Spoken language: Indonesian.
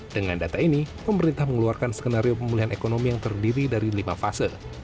dengan data ini pemerintah mengeluarkan skenario pemulihan ekonomi yang terdiri dari lima fase